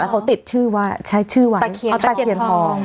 แล้วเขาติดชื่อว่าใช้ชื่อไว้ตะเขียนทอง